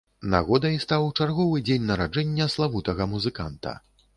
Нагодай стаў чарговы дзень нараджэння славутага музыканта.